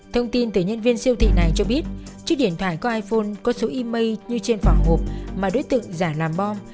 thông tin từ nhân viên siêu thị này cho biết chiếc điện thoại có iphone có số ima như trên vỏ hộp mà đối tượng giả làm bom